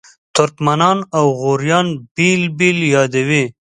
ترکمنان او غوریان بېل بېل یادوي.